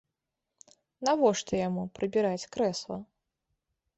Навошта яму прыбіраць крэсла?